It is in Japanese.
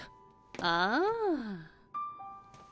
ああ。